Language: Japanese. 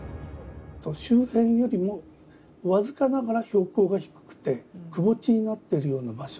周辺よりも僅かながら標高が低くて、くぼ地になっているような場所。